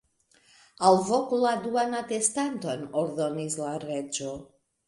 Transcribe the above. "Alvoku la duan atestanton," ordonis la Reĝo.